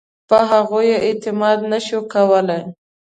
په هغوی یې اعتماد نه شو کولای.